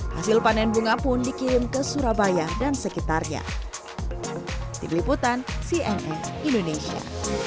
hasil panen bunga pun dikirim ke surabaya dan sekitarnya dikeliputan cnn indonesia